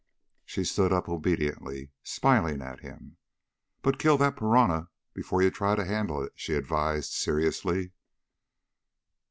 She stood up obediently, smiling at him. "But kill that piranha before you try to handle it," she advised seriously.